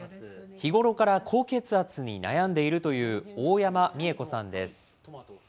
日頃から高血圧に悩んでいるという大山三惠子さんです。